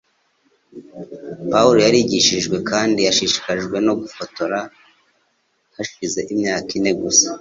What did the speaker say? Pawulo yarigishijwe kandi ashishikajwe no gufotora hashize imyaka ine gusa